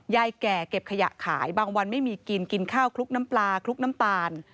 แก่เก็บขยะขายบางวันไม่มีกินกินข้าวคลุกน้ำปลาคลุกน้ำตาล